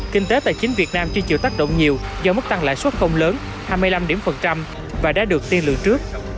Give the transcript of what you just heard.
kinh tế tài chính việt nam chưa chịu tác động nhiều do mức tăng lãi suất không lớn hai mươi năm điểm phần trăm và đã được tiên lượng trước